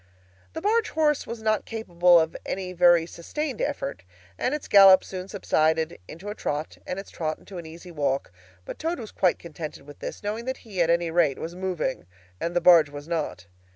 The barge horse was not capable of any very sustained effort, and its gallop soon subsided into a trot, and its trot into an easy walk; but Toad was quite contented with this, knowing that he, at any rate, was moving, and the barge was not.